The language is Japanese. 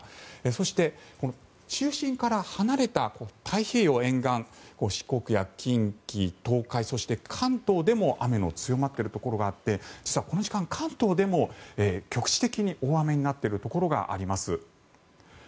そして、中心から離れた太平洋沿岸四国や近畿、東海そして関東でも雨の強まっているとこがあって実はこの時間関東でも局地的に大雨になっているところがあります。